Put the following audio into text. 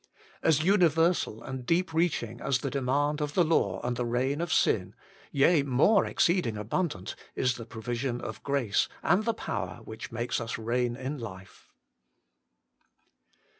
As universal and deep reaching as the demand of the law and the reign of sin, yea, more exceeding abundant, is the provision of grace and the power by which it makes us reign in life.